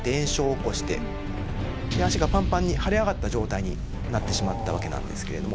足がパンパンに腫れ上がった状態になってしまったわけなんですけれども。